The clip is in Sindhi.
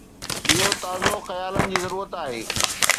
اهو تازو خيالن جي ضرورت آهي.